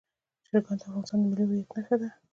چرګان د افغانستان د ملي هویت نښه ده.